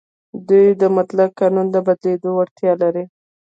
دوی د مطلق قانون د بدلېدو وړتیا لري.